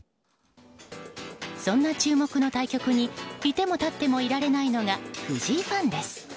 そんな注目の対局にいても立ってもいられないのが藤井ファンです。